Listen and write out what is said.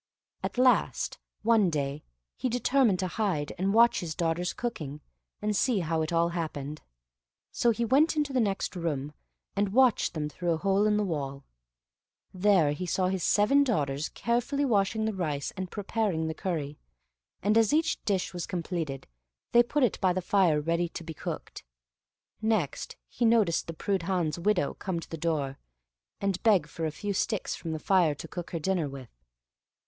At last, one day, he determined to hide, and watch his daughters cooking, and see how it all happened; so he went into the next room, and watched them through a hole in the wall. There he saw his seven daughters carefully washing the rice and preparing the curry, and as each dish was completed, they put it by the fire ready to be cooked. Next he noticed the Prudhan's widow come to the door, and beg for a few sticks from the fire to cook her dinner with.